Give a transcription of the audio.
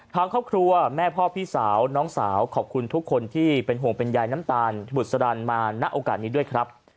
ทั้งครอบครัวแม่พ่อพี่สาวขอบคุณทุกคนที่เป็นห่วงเป็นยัยน้ำตาลที่บุถรรณมานักโอกาสนี้ด้วยครับ